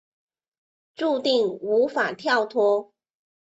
注定无法跳脱